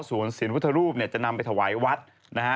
ส่วนเสียงพุทธรูปเนี่ยจะนำไปถวายวัดนะฮะ